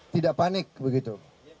tidak panik begitu